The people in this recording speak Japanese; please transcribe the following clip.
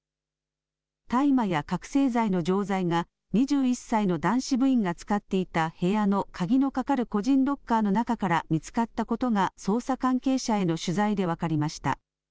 大麻や覚醒や覚醒剤の錠剤が２１歳の男子部員が使っていた部屋の鍵のかかる個人ロッカーの中から見つかったことが捜査関係者への取材で分かりました。